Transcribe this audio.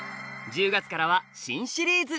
１０月からは新シリーズ！